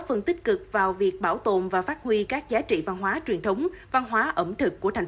phần tích cực vào việc bảo tồn và phát huy các giá trị văn hóa truyền thống văn hóa ẩm thực của thành